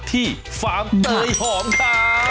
ที่ฟาร์มใดหอมค่ะ